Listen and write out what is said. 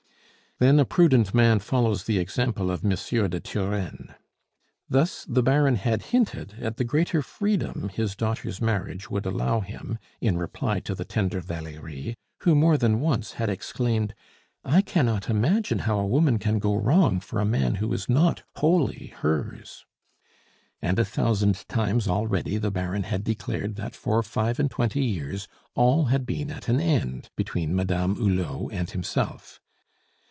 Then a prudent man follows the example of Monsieur de Turenne. Thus the Baron had hinted at the greater freedom his daughter's marriage would allow him, in reply to the tender Valerie, who more than once had exclaimed: "I cannot imagine how a woman can go wrong for a man who is not wholly hers." And a thousand times already the Baron had declared that for five and twenty years all had been at an end between Madame Hulot and himself.